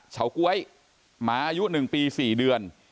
ก๊วยหมาอายุ๑ปี๔เดือน